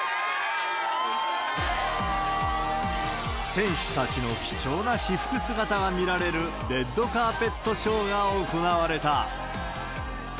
選手たちの貴重な私服姿が見られる、レッドカーペットショーが行われた。